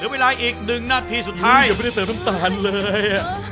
เวลาอีก๑นาทีสุดท้ายยังไม่ได้เติมน้ำตาลเลย